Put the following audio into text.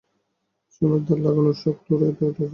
সোনার দাঁত লাগানোর শখ তোরই তো উঠেছিলো না?